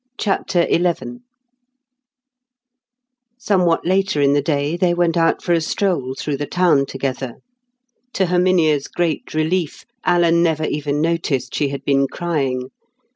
CHAPTER XI Somewhat later in the day, they went out for a stroll through the town together. To Herminia's great relief, Alan never even noticed she had been crying.